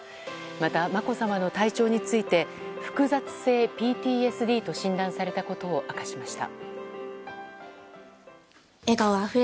また、まこさまの体調について複雑性ＰＴＳＤと診断されたことを明かしました。